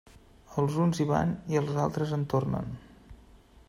Els uns hi van i els altres en tornen.